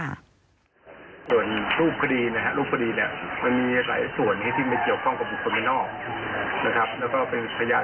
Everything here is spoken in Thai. ดูต่อไปช่วงนี้นะครับผมก็คงต้องติดตามทางทางสอบภังงานสอบส่วนว่า